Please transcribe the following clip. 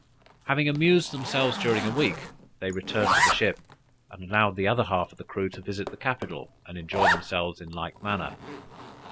Having amused themselves during a week, they returned to the ship, and allowed the other half of the crew to visit the capital, and enjoy themselves in like manner.